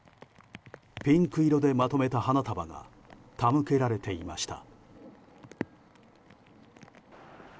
ピンク色でまとめた花束が手向けられていました。